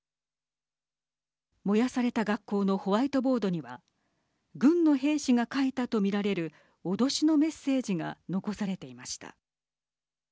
燃やされた学校のホワイトボードには軍の兵士が書いたと見られる脅しのメッセージが残されていました。